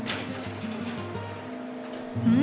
うん？